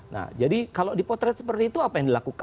nah jadi kalau dipotret seperti itu apa yang dilakukan